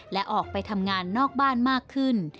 และออกไปทำงานนอกบ้านมากขึ้น